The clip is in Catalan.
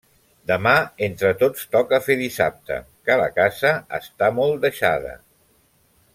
Demà entre tots toca fer dissabte, que la casa està molt deixada.